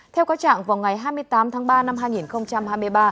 theo các trạng vào ngày hai mươi tám tháng ba năm hai nghìn hai mươi ba